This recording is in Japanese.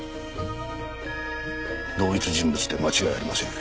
同一人物で間違いありません。